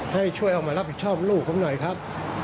ให้ช่วยออกมารับผิดชอบลูกผมหน่อยครับ